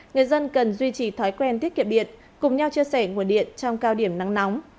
người dân cần duy trì thói quen tiết kiệm điện cùng nhau chia sẻ nguồn điện trong cao điểm nắng nóng